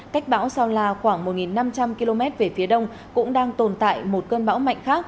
cách bão sao la khoảng một năm trăm linh km về phía đông cũng đang tồn tại một cơn bão mạnh khác